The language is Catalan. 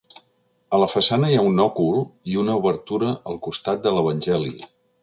A la façana hi ha un òcul i una obertura al costat de l'Evangeli.